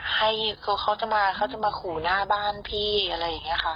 ให้เขาจะมาขู่หน้าบ้านพี่อะไรอย่างนี้ค่ะ